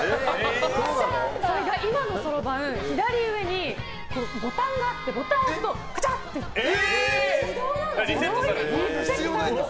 それが今のそろばんは左上にボタンがあってボタンを押すとガチャって自動なんです。